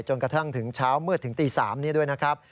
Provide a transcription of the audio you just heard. กระทั่งถึงเช้ามืดถึงตี๓นี้ด้วยนะครับ